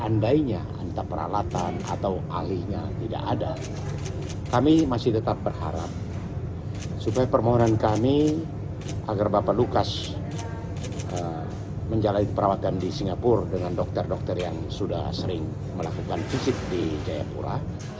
andainya antara kami masih tetap berharap supaya permohonan kami agar bapak lukas menjalani perawatan di singapura dengan dokter dokter yang sudah sering melakukan fisik di jayapura